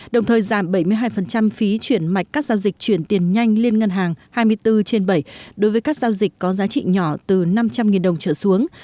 đồng thời giảm bảy mươi hai phí chuyển mạch các giao dịch chuyển tiền nhanh liên ngân hàng hai mươi bốn trên bảy đối với các giao dịch có giá trị nhỏ từ năm trăm linh đồng trở xuống